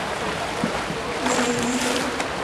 Ni vendido.